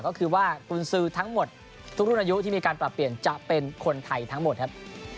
ก็คือว่ากุญสือทั้งหมดทุกรุ่นอายุที่มีการปรับเปลี่ยนจะเป็นคนไทยทั้งหมดครับ